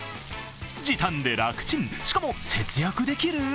時短で楽ちん、しかも節約できる？